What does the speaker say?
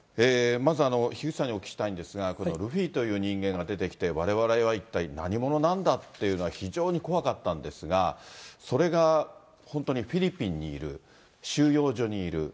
まず、樋口さんにお聞きしたいんですが、この、ルフィという人間が出てきて、われわれは一体何者なんだっていうのが非常に怖かったんですが、それが、本当にフィリピンにいる、収容所にいる。